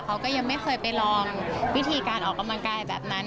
เขาก็ยังไม่เคยไปลองวิธีการออกกำลังกายแบบนั้น